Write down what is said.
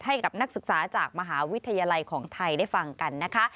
ให้กับนักศึกษาจากมหาวิทยาลัยของไทยได้ฟังกันนะคะ